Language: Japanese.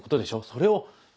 それを。